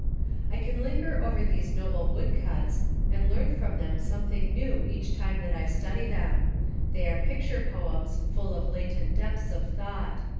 I can linger over those noble woodcuts, and learn from them something new each time that I study them; they are picture poems full of latent depths of thought.